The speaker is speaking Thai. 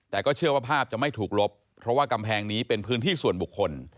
แต่ก็เชื่อว่าภาพจะไม่ถูกลบเพราะว่ากำแพงนี้เป็นพื้นที่ส่วนบุคคล